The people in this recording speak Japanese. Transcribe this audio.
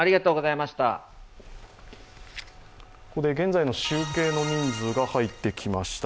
ここで現在の集計の人数が入ってきました。